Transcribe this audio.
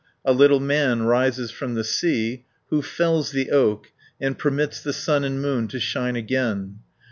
A little man rises from the sea, who fells the oak, and permits the sun and moon to shine again (111 224).